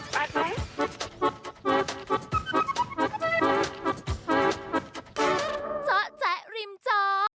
จ๊ะจ๊ะริมจ๊อ